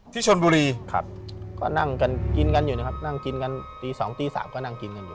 ที่ชนบุรีก็นั่งกันกินกันอยู่นะครับนั่งกินกันตี๒ตี๓ก็นั่งกินกันอยู่